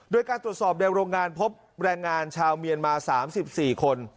โดยการตรวจสอบในโรงงานพบแรงงานชาวเมียนมา๓๔คน